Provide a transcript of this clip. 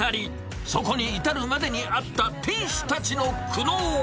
そこに至るまでにあった店主たちの苦悩。